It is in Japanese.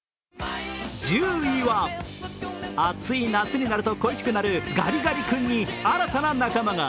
１０位は、暑い夏になると恋しくなるガリガリ君に新たな仲間が。